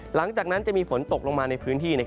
หลังจากนั้นจะมีฝนตกลงมาในพื้นที่